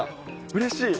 うれしい。